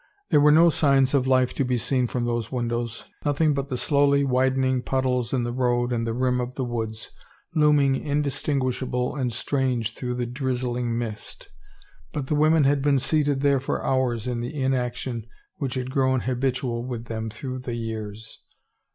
There were no signs of life to be seen from those windows, nothing but the slowly widening puddles in the road and the rim of the woods, looming indistinguishable and strange through the drizzling mist, but the women had been seated there for hours in the inaction which had grown habitual with them through the years.